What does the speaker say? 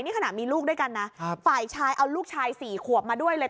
นี่ขนาดมีลูกด้วยกันนะฝ่ายชายเอาลูกชายสี่ขวบมาด้วยเลย